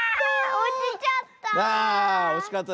おちちゃった。